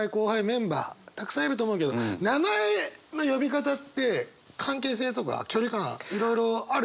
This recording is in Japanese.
たくさんいると思うけど名前の呼び方って関係性とか距離感いろいろあるよね？